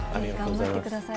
頑張ってください。